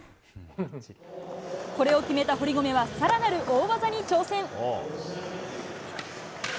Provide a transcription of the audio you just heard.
これを決めた堀米は、さらなる大技に挑戦。